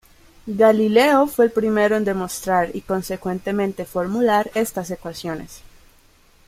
Galileo fue el primero en demostrar y consecuentemente formular estas ecuaciones.